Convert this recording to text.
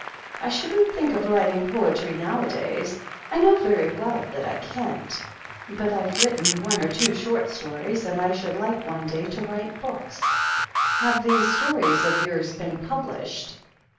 I shouldn't think of writing poetry nowadays. I know very well that I can't. But I've written one or two short stories, and I should like one day — ^to write books." 'Have these stories of yours been published